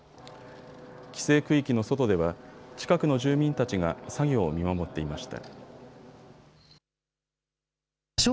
規制区域の外では近くの住民たちが作業を見守っていました。